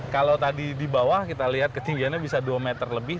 kalau tadi di bawah kita lihat ketinggiannya bisa dua meter lebih